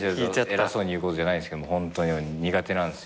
偉そうに言うことじゃないですけどホントに苦手なんですよ。